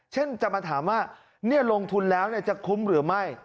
เช่นจะมาถามว่าลงทุนแล้วจะคุ้มหรือไม่